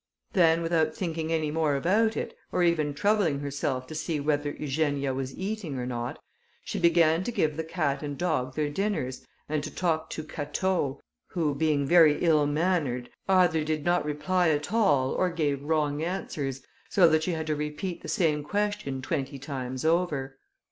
Then, without thinking any more about it, or even troubling herself to see whether Eugenia was eating or not, she began to give the cat and dog their dinners, and to talk to Catau, who, being very ill mannered, either did not reply at all or gave wrong answers, so that she had to repeat the same question twenty times over.